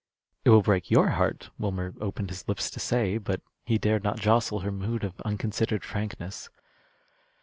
"It will break your heart," Wilmer opened his lips to say; but he dared not jostle her mood of unconsidered frankness.